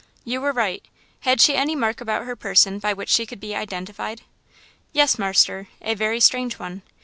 "You were right. Had she any mark about her person by which she could be identified?" "Yes, marster, a very strange one.